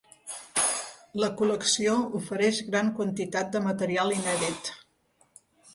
La col·lecció ofereix gran quantitat de material inèdit.